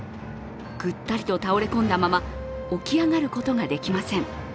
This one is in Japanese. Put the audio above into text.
ぐったりと倒れ込んだまま起き上がることができません。